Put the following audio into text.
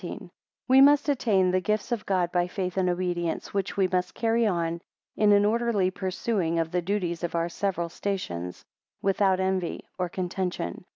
1 We must attain the gifts of God by faith and obedience, which we must carry on in an orderly pursuing of the duties of our several stations, without envy or contention.